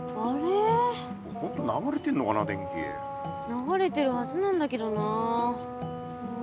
流れてるはずなんだけどな。